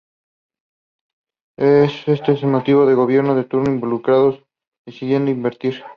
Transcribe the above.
Es por este motivo que los gobiernos de turno involucrados decidieron intervenir.